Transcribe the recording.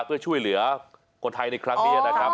เพื่อช่วยเหลือคนไทยในครั้งนี้นะครับ